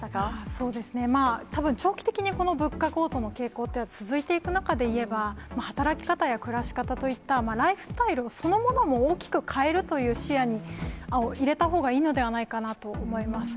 そうですね、たぶん、長期的にこの物価高騰の傾向っていうのは続いていく中でいえば、働き方や暮らし方といったライフスタイルをそのものも大きく変えるという、視野に入れたほうがいいのではないかなと思います。